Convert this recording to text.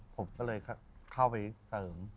ผมก็เลยเข้าไปเสริม